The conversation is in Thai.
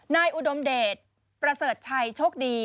อุดมเดชประเสริฐชัยโชคดี